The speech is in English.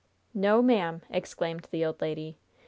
"No, ma'am!" exclaimed the old lady.